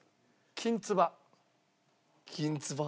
きんつば？